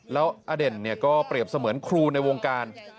แล้วอเด่นก็เปรียบเสมือนครูในวงการ